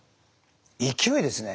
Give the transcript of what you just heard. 勢いですね。